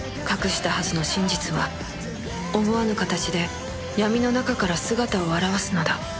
隠したはずの真実は思わぬ形で闇の中から姿を現すのだ